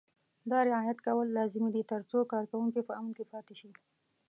دا رعایت کول لازمي دي ترڅو کارکوونکي په امن کې پاتې شي.